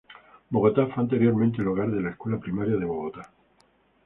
Bogotá fue anteriormente el hogar de la Escuela Primaria de Bogotá.